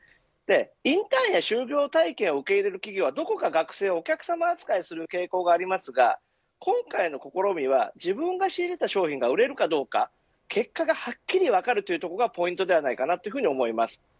インターンや就業体験を受け入れる企業はどこか学生をお客さま扱いする傾向がありますが、今回の試みは自分が仕入れた商品が売れるかどうか結果がはっきり分かるところがポイントだと思います。